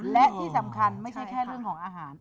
และที่สำคัญไม่ใช่แค่เรื่องของอาหาร